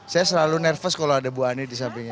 saya selalu nervous kalau ada bu ani di sampingnya